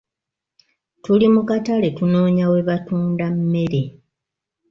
Tuli mu katale tunoonya we batunda mmere.